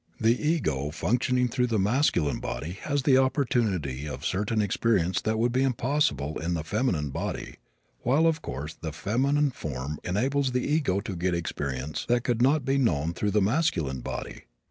The ego functioning through the masculine body has the opportunity of certain experiences that would be impossible in the feminine body, while, of course, the feminine form enables the ego to get experience that could not be known through the masculine body.